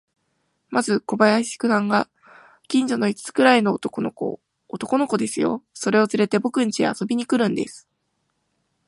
まず小林さんが、近所の五つくらいの男の子を、男の子ですよ、それをつれて、ぼくんちへ遊びに来るんです。